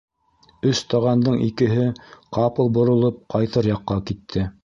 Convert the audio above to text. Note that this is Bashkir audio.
«Өс таған»дың икеһе, ҡапыл боролоп, ҡайтыр яҡҡа китте.